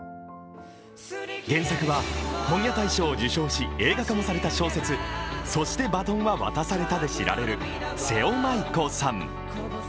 原作は本屋大賞を受賞し映画化もされた小説、「そして、バトンは渡された」で知られる瀬尾まいこさん。